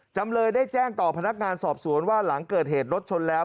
จำเลยได้แจ้งต่อพนักงานสอบสวนว่าหลังเกิดเหตุรถชนแล้ว